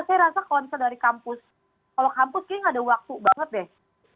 saya rasa kalau misalnya dari kampus kalau kampus kayaknya gak ada waktu banget deh